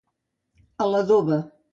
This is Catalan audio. A la doba.